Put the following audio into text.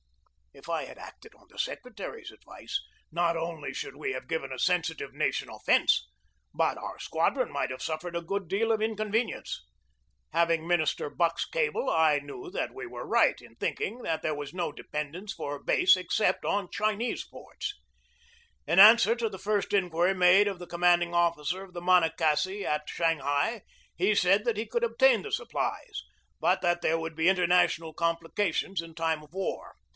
If I had acted on the secretary's advice, not only should we have given a sensitive nation offence, but our squadron might have suffered a good deal of in convenience. Having Minister Buck's cable, I knew that we were right in thinking that there was no de pendence for a base except on Chinese ports. In answer to the first inquiry made of the commanding officer of the Monocacy at Shanghai he said that he could obtain the supplies, but that there would be international complications in time of war.